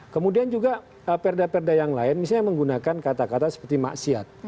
kemudian juga perda perda yang lain misalnya menggunakan kata kata seperti maksiat